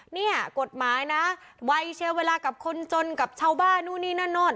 เนี่ยกฎหมายนะวัยเชียเวลากับคนจนกับชาวบ้านนู่นนี่นั่นโน่น